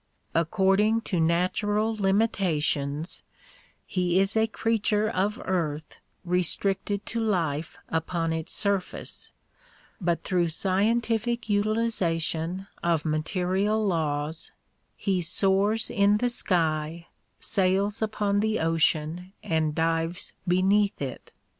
According to natural limitations he is a creature of earth restricted to life upon its surface, but through scientific utilization of material laws he soars in the sky, sails upon the ocean and dives beneath it.